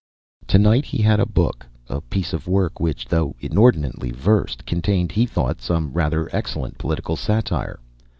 To night he had a book, a piece of work which, though inordinately versed, contained, he thought, some rather excellent political satire.